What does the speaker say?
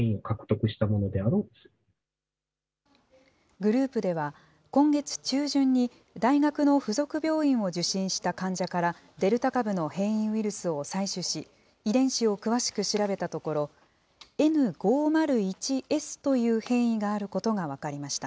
グループでは、今月中旬に大学の附属病院を受診した患者からデルタ株の変異ウイルスを採取し、遺伝子を詳しく調べたところ、Ｎ５０１Ｓという変異があることが分かりました。